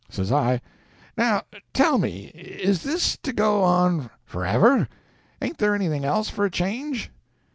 Says I— "Now tell me—is this to go on forever? Ain't there anything else for a change?"